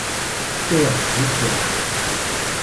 เอื้อวิทยา